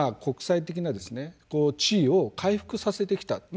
国際的な地位を回復させてきた。